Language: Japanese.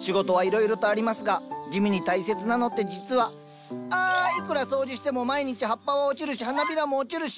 仕事はいろいろとありますが地味に大切なのって実はあいくら掃除しても毎日葉っぱは落ちるし花びらも落ちるし。